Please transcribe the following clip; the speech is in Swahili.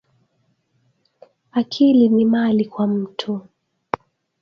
Akili ni mali kwa mutu